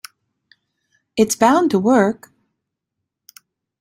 It's bound to work.